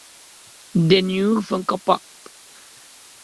The new Funko Pop!